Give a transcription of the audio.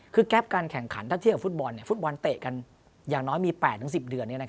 คือแก๊ปการแข่งขันถ้าเทียบกับฟุตบอลฟุตบอลเตะกันอย่างน้อยมี๘๑๐เดือน